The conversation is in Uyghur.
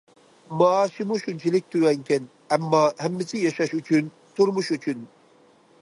مائاشىمۇ شۇنچىلىك تۆۋەنكەن، ئەمما ھەممىسى ياشاش ئۈچۈن، تۇرمۇش ئۈچۈن.